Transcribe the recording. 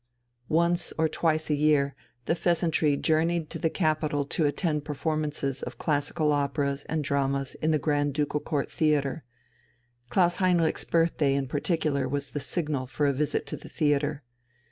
Once or twice a year the "Pheasantry" journeyed to the capital to attend performances of classical operas and dramas in the Grand Ducal Court Theatre; Klaus Heinrich's birthday in particular was the signal for a visit to the theatre.